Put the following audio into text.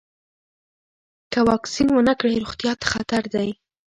که واکسین ونه کړئ، روغتیا ته خطر دی.